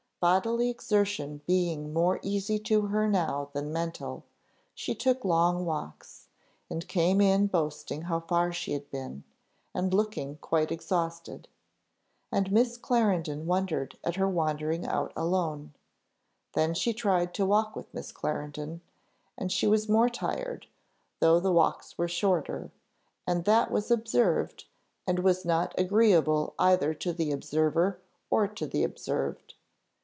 Bodily exertion being more easy to her now than mental, she took long walks, and came in boasting how far she had been, and looking quite exhausted. And Miss Clarendon wondered at her wandering out alone; then she tried to walk with Miss Clarendon, and she was more tired, though the walks were shorter and that was observed, and was not agreeable either to the observer, or to the observed.